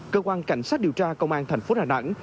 cơ quan cảnh sát điều tra công an thành phố đà nẵng